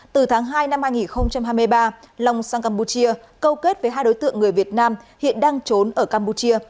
từ tháng hai năm hai nghìn hai mươi ba long sang campuchia câu kết với hai đối tượng người việt nam hiện đang trốn ở campuchia